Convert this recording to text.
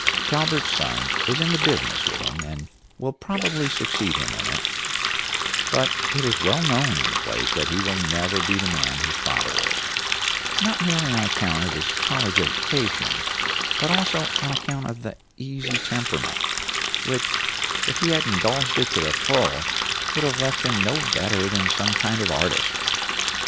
Talbert's son is in the business with him, and will probably succeed him in it; but it is well known in the place that he will never be the man his father is, not merely on account of his college education, but also on account of the easy temperament, which if he had indulged it to the full would have left him no better than some kind of artist.